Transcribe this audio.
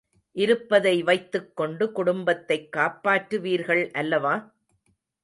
இருப்பதை வைத்துக் கொண்டு குடும்பத்தைக் காப்பாற்றுவீர்கள் அல்லவா?